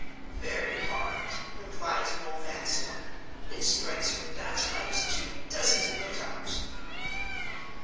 "Very hard," replied Noel Vanstone. "It strikes you in that light, too—doesn't it, Lecount?"